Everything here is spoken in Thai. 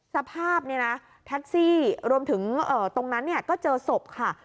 สภาพแท็กซี่รวมถึงตรงนั้นก็เจอศพค่ะ